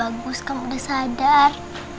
amillah bagus kamu sudah sadar